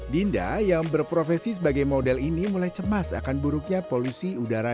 dinda yang berprofesi sebagai model ini mulai cemas akan buruknya polusi udara